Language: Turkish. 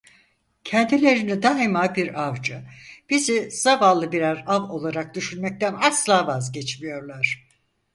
Kendilerini daima bir avcı, bizi zavallı birer av olarak düşünmekten asla vazgeçmiyorlar.